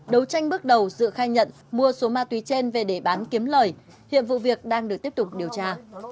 đấu tranh bước đầu sự khai nhận mua số ma túy trên về để bán kiếm lời hiện vụ việc đang được tiếp tục điều tra